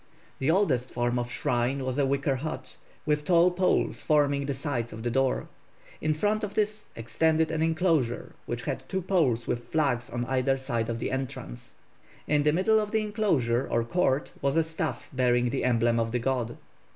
The oldest form of shrine was a wicker hut, with tall poles forming the sides of the door; in front of this extended an enclosure which had two poles with flags on either side of the entrance. In the middle of the enclosure or court was a staff bearing the emblem of the god.